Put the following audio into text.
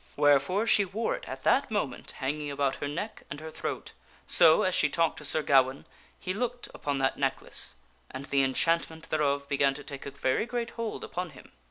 Wherefore she wore it at that moment hanging about her neck and her throat. So, as she talked to Sir Gawaine, he looked upon that necklace, and the enchantment thereof began to take a very great hold upon him.